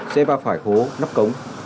xe va phải hố nắp cống